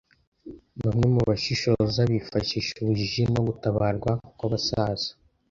Bamwe mubashishoza bifashisha ubujiji no gutabarwa kwabasaza.